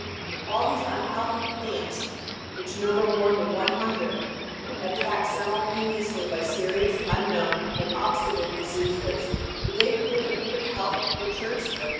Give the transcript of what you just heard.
All these unhealthy plants, which number more than one hundred, at tacked simultaneously by serious, unknown and obstinate diseases, do they prove the perfect health of creatures